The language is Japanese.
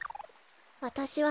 わたしはね